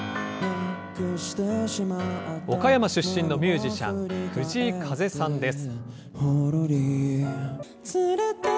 岡山出身のミュージシャン、藤井風さんです。